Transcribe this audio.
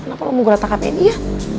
kenapa lo mau geratak hp dia